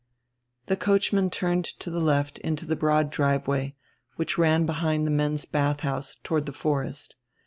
The coachman turned to the left into the broad driveway, which ran behind the men's bathhouse toward die forest.